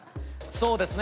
そうですね。